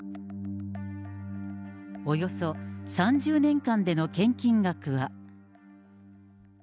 およそ３０年間での献金額は。